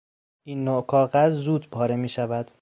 این نوع کاغذ زود پاره میشود.